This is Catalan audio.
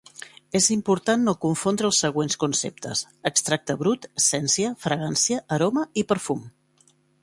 És important no confondre els següents conceptes: extracte brut, essència, fragància, aroma i perfum.